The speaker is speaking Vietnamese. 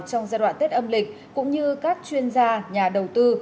trong giai đoạn tết âm lịch cũng như các chuyên gia nhà đầu tư